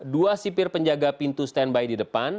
dua sipir penjaga pintu standby di depan